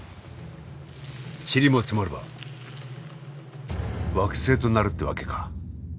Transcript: チリも積もれば惑星となるってわけか。